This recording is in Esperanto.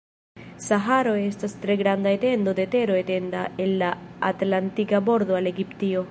Saharo estas tre granda etendo de tero etenda el la Atlantika bordo al Egiptio.